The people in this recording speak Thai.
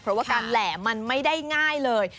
เพราะว่าการแหล่มันไม่ได้ง่ายเลย